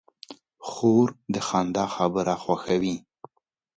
خور د خندا خبره خوښوي.